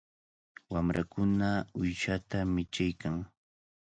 Wamrakuna uyshata michiykan.